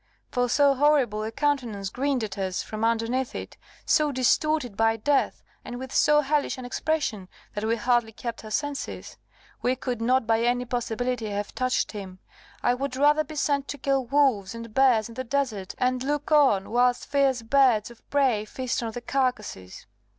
For so horrible a countenance grinned at us from underneath it, so distorted by death, and with so hellish an expression, that we hardly kept our senses. We could not by any possibility have touched him. I would rather be sent to kill wolves and bears in the desert, and look on whilst fierce birds of prey feast on their carcases."